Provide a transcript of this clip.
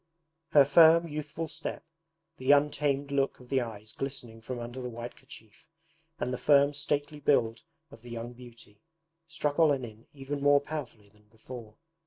Her firm youthful step, the untamed look of the eyes glistening from under the white kerchief, and the firm stately build of the young beauty, struck Olenin even more powerfully than before.